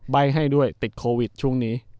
ใบให้ด้วยติดโควิดช่วงนี้